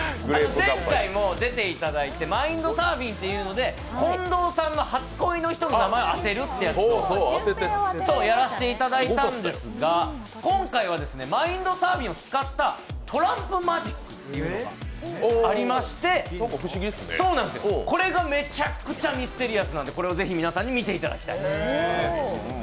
前回も出ていただいて、マインドサーフィンというので近藤さんの初恋の人の名前を当てるっていうやらせていただいたんですが今回はマインドサーフィンを使ったトランプマジックというのがありましてこれがめちゃくちゃミステリアスなんで、皆さんに見ていただきたい。